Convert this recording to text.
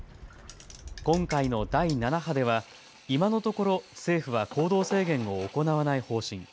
今回の第７波では今のところ政府は行動制限を行わない方針。